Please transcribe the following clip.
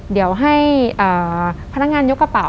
เดี๋ยวให้พนักงานยกกระเป๋า